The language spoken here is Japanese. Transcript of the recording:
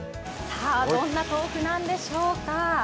さあ、どんな豆腐なんでしょうか。